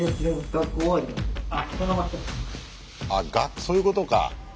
あっそういうことか。